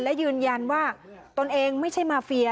และยืนยันว่าตนเองไม่ใช่มาเฟีย